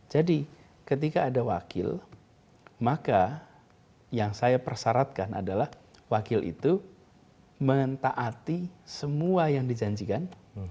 jadi ketika ada wakil maka yang saya persaratkan adalah wakil itu mentaati semua yang dijanjikan